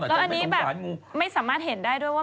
แล้วอันนี้แบบไม่สามารถเห็นได้ด้วยว่า